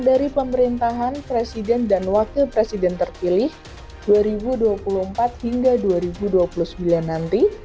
dari pemerintahan presiden dan wakil presiden terpilih dua ribu dua puluh empat hingga dua ribu dua puluh sembilan nanti